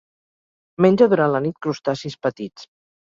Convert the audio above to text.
Menja durant la nit crustacis petits.